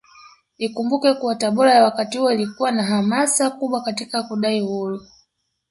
Ikumbukwe kuwa Tabora ya wakati huo ilikuwa na hamasa kubwa Katika kudai Uhuru